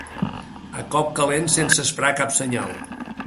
A cop calent, sense esperar cap senyal.